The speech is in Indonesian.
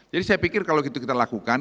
jadi saya pikir kalau itu kita lakukan